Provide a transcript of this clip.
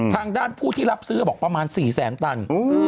ทางด้านผู้ที่รับซื้อบอกประมาณ๔แสนตัน